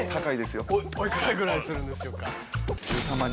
おいくらぐらいするんでしょうか？